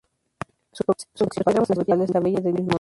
Su cabecera municipal es la villa del mismo nombre.